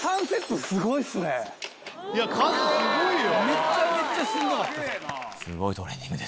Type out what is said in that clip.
めちゃめちゃしんどかったっす。